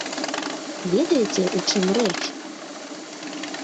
Ведаеце, у чым рэч?